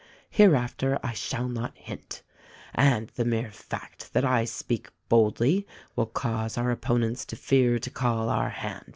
Hereafter I shall not hint. And the mere fact that I speak boldly will cause our opponents to fear to call our hand.